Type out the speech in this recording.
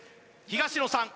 東野さん